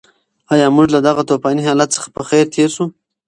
ایا موږ له دغه توپاني حالت څخه په خیر تېر شوو؟